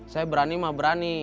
saya berani mah berani